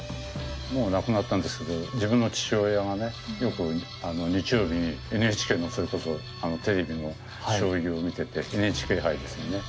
もう亡くなったんですけど自分の父親がねよく日曜日にＮＨＫのそれこそあのテレビの将棋を見ててＮＨＫ杯ですよね。